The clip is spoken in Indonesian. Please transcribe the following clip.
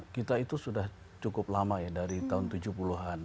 kita itu sudah cukup lama ya dari tahun tujuh puluh an